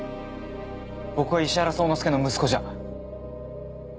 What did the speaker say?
僕は石原宗之助の息子じゃ？